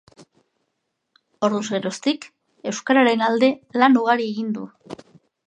Orduz geroztik euskararen alde lan ugari egin du.